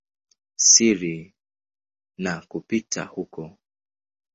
siri na kupita huko.